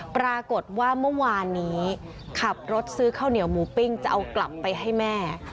ปรากฏว่าเมื่อวานนี้ขับรถซื้อข้าวเหนียวหมูปิ้งจะเอากลับไปให้แม่